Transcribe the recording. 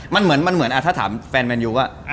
มันเหมือนถ้าถามแฟนแมนยูว่า